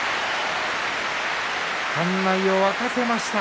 館内を沸かせました。